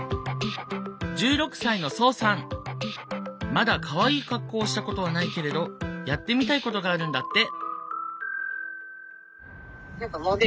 まだかわいい格好をしたことはないけれどやってみたいことがあるんだって。